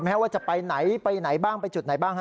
ว่าจะไปไหนไปไหนบ้างไปจุดไหนบ้างฮะ